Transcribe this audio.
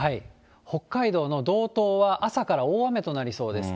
北海道の道東は朝から大雨となりそうです。